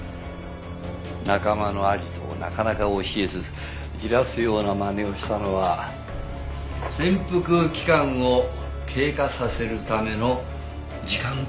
仲間のアジトをなかなか教えずじらすようなまねをしたのは潜伏期間を経過させるための時間稼ぎ。